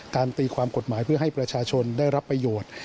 ตีความกฎหมายเพื่อให้ประชาชนได้รับประโยชน์